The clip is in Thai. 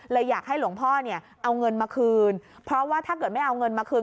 อยากให้หลวงพ่อเนี่ยเอาเงินมาคืนเพราะว่าถ้าเกิดไม่เอาเงินมาคืน